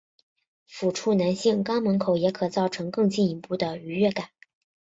抚触男性肛门口也可造成更进一步的愉悦感。